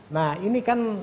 nah ini kan